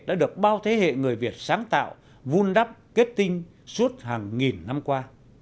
đã được bao thế hệ người việt sáng tạo vun đắp kết tinh suốt hàng nghìn năm qua